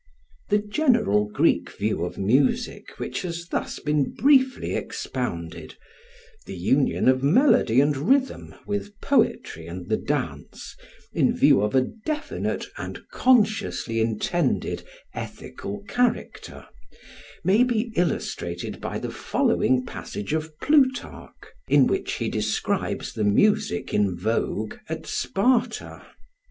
The general Greek view of music which has thus been briefly expounded, the union of melody and rhythm with poetry and the dance in view of a definite and consciously intended ethical character, may be illustrated by the following passage of Plutarch, in which he describes the music in vogue at Sparta.